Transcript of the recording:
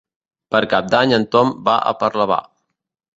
Per Cap d'Any en Tom va a Parlavà.